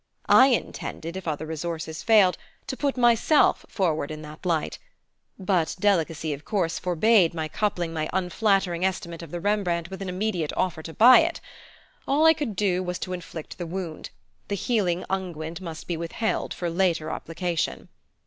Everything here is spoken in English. I intended, if other resources failed, to put myself forward in that light; but delicacy of course forbade my coupling my unflattering estimate of the Rembrandt with an immediate offer to buy it. All I could do was to inflict the wound: the healing unguent must be withheld for later application.